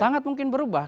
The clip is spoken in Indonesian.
sangat mungkin berubah